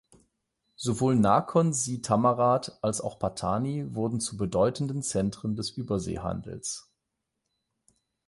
Sowohl Nakhon Si Thammarat als auch Patani wurden zu bedeutenden Zentren des Überseehandels.